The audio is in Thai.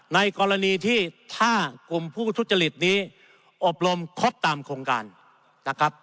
ในกรณีที่ถ้ากลุ่มผู้ทุจริตนี้อบรมครบตามโครงการนะครับ